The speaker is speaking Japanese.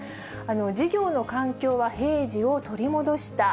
事業の環境は平時を取り戻した。